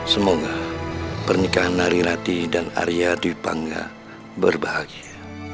semoga pernikahan nariratih dan arya dipanga berbahagia